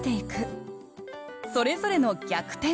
それぞれの「逆転」。